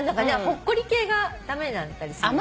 ほっこり系が駄目だったりする。